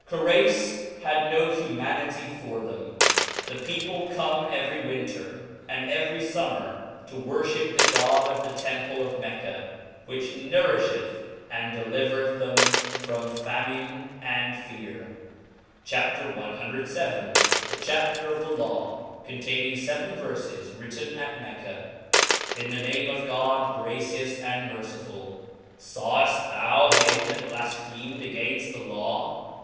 Corei^ had no humanity for them ; the people come every winter, and every fummer, toworfliip the God of the Temple of Mecca ^ which nourifheth and delivereth thena from famine and fear. CHAP. CVil. The Chaffer of the Law, containing fev en Verfes y Wiinen at Mecca. TN the name of God, gracious and merclfull. Sawell: thou hi m that blafphemcd againft the Law